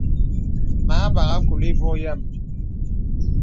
Mə a bagha kùlì ìvɔ̄ɔ̄ yəm.